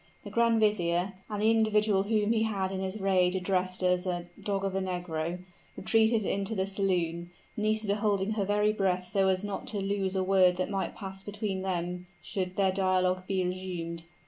The grand vizier, and the individual whom he had in his rage addressed as a "dog of a negro," retreated into the saloon, Nisida holding her very breath so as not to lose a word that might pass between them should their dialogue be resumed.